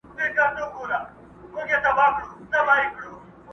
د طالع ستوری یې پټ دی بخت یې تور دی.!